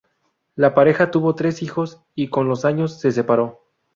La pareja tuvo tres hijos y con los años se separó.